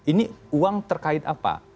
ini uang terkait apa